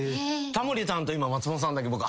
タモリさんと今松本さんだけ。